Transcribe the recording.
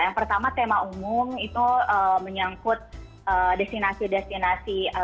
yang pertama tema umum itu menyangkut destinasi destinasi